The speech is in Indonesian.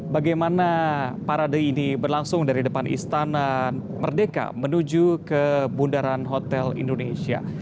bagaimana parade ini berlangsung dari depan istana merdeka menuju ke bundaran hotel indonesia